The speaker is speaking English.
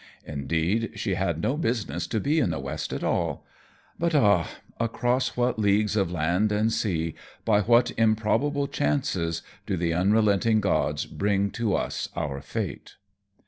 Indeed, she had no business to be in the West at all; but ah! across what leagues of land and sea, by what improbable chances, do the unrelenting gods bring to us our fate!